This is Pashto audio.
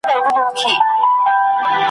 شرنګولي مي د میو ګیلاسونه `